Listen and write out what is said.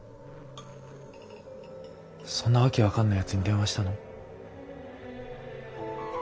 そんな訳分かんないやつに電話したの？